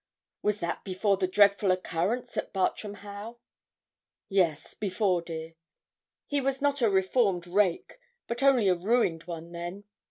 'Was that before the dreadful occurrence at Bartram Haugh?' 'Yes before, dear. He was not a reformed rake, but only a ruined one then.